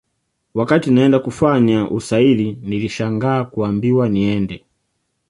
Wakati naenda kufanya usaili nilishangaa kuambiwa niende